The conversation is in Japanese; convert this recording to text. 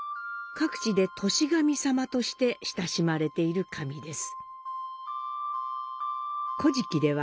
各地で「歳神さま」として親しまれている神です。